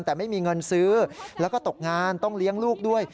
แต่ไม่มีเงินซื้อแล้วก็ตกงานต้องเลี้ยงลูกด้วย